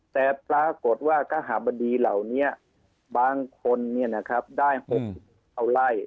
แต่ปรากฏว่ากหาบดีเหล่านี้บางคนได้๖เท่าไล่